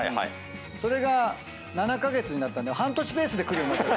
それが７カ月になったんで半年ペースで来るようになっちゃった。